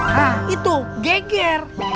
hah itu geger